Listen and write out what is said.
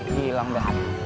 ya hilang dah